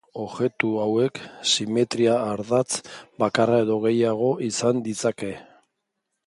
Objektu hauek simetria ardatz bakarra edo gehiago izan ditzakete.